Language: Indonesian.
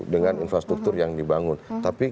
dengan infrastruktur yang dibangun tapi